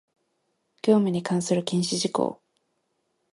業務に関する禁止事項